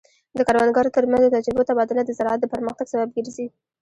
د کروندګرو ترمنځ د تجربو تبادله د زراعت د پرمختګ سبب ګرځي.